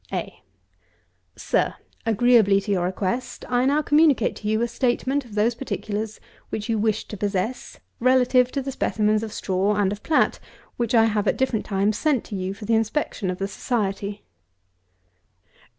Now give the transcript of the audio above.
A. SIR, Agreeably to your request, I now communicate to you a statement of those particulars which you wished to possess, relative to the specimens of straw and of plat which I have at different times sent to you for the inspection of the Society.